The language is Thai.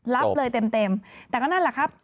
รับเลยเต็มแต่ก็นั่นแหละครับ